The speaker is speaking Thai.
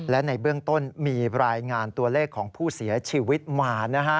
และในเบื้องต้นมีรายงานตัวเลขของผู้เสียชีวิตมานะฮะ